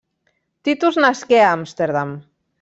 Titus nasqué a Amsterdam.